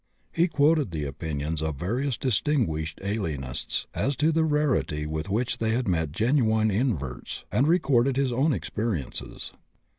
He quoted the opinions of various distinguished alienists as to the rarity with which they had met genuine inverts, and recorded his own experiences.